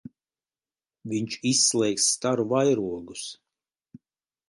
Viņš izslēgs staru vairogus.